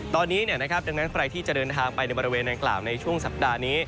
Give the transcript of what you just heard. ตอนนี้ดังนั้นใครที่จะเดินทางไปในบริเวณดังกล่าวในช่วงสัปดาห์นี้